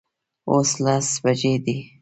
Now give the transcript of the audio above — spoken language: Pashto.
اوس لس بجې دي